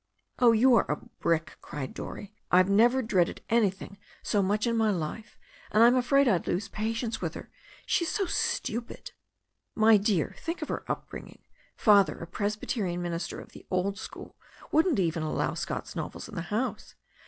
"Oh, you are a brick !" cried Dorrie, "I've never dreaded anything so much in my life. And I'm afraid I'd lose pa tience with her. She is so stupid." "My dear, think of her upbringing. Father a Presby terian minister of the old school, wouldn't even allow Scott's novels in the house.